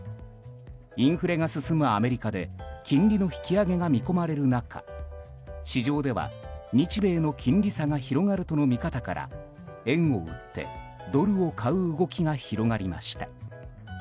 インフレが進むアメリカで金利の引き上げが見込まれる中市場では日米の金利差が広がるとの見方から円を売ってドルを買う動きが広がりました。